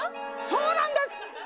そうなんです！